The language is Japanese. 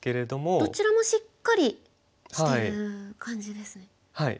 どちらもしっかりしてる感じですね。